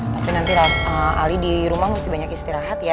tapi nanti ali di rumah mesti banyak istirahat ya